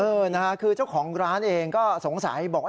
เออนะฮะคือเจ้าของร้านเองก็สงสัยบอกว่า